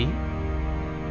các cơ quan điều tra